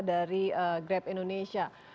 dari grab indonesia